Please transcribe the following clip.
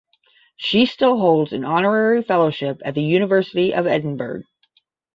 She still holds an Honorary Fellowship at the University of Edinburgh.